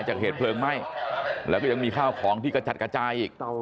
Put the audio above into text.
จากเหตุเพลิงไหม้แล้วก็ยังมีข้าวของที่กระจัดกระจายอีก